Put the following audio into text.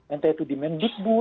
entah itu di menteri